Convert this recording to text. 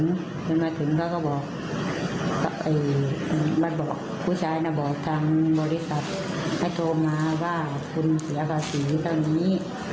พอเงินมาถึงก็บอกผู้ชายบริษัทให้โทรมาว่าคุณเสียภาษีเท่านี้